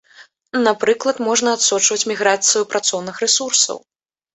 Напрыклад, можна адсочваць міграцыю працоўных рэсурсаў.